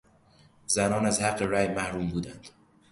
زنان از حق رای محروم بودند.